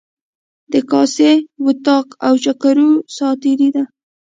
د کاسې، وطاق او چکرونو ساعتیري ده.